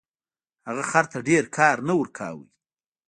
هغه خر ته ډیر کار نه ورکاوه.